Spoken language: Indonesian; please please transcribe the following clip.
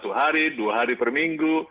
satu hari dua hari per minggu